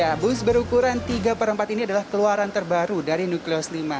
ya bus berukuran tiga per empat ini adalah keluaran terbaru dari nuklios lima